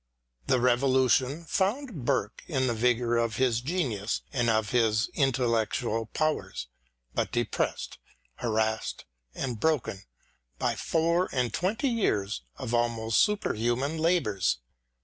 The Revolution found Burke in the vigour of his genius and of his intellectual powers, but depressed, harassed, and broken by four and twenty years of almost superhuman labours.